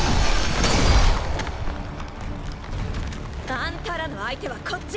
あんたらの相手はこっち！